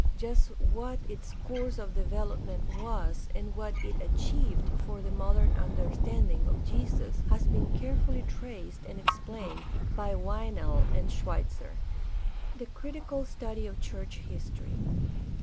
Just what its course of development was and what it achieved for the modern understanding of Jesus has been carefully traced and explained by Weinel and Schweitzer. The critical study of church history.